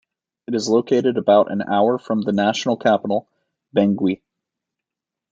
It is located about an hour from the national capital, Bangui.